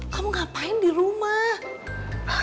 kamu ngapain di rumah